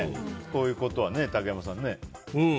こういうことはね、竹山さんね。